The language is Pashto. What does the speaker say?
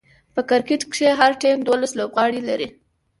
په کرکټ کښي هر ټيم دوولس لوبغاړي لري.